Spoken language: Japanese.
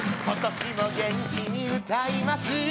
「今年も元気に歌います」